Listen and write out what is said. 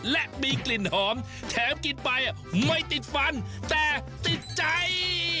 และมีกลิ่นหอมแถมกินไปไม่ติดฟันแต่ติดใจ